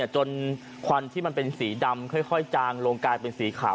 ควันที่มันเป็นสีดำค่อยจางลงกลายเป็นสีขาว